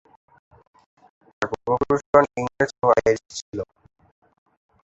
তার পূর্বপুরুষগণ ইংরেজ ও আইরিশ ছিল।